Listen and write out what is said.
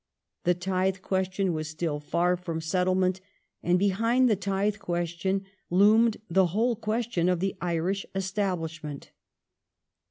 f^Il'Ji^^lL '^^^ tithe question was still far from settlement ; and behind the tithe question loomed the whole question of the Irish Establishment.